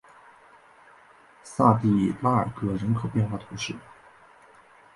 萨蒂拉尔格人口变化图示